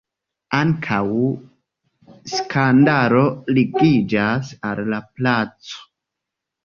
Ankaŭ skandalo ligiĝas al la placo.